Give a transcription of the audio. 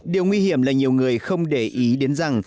điều nguy hiểm là nhiều người không để ý đến rằng